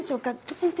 先生。